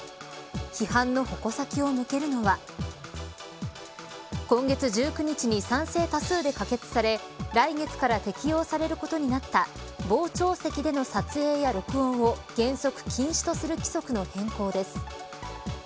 批判の矛先を向けるのは今月１９日に賛成多数で可決され来月から適用されることになった傍聴席での撮影や録音を原則禁止とする規則の変更です。